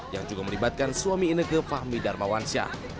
yang juga melibatkan suami indah kekus herawati